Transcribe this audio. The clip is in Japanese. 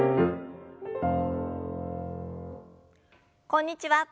こんにちは。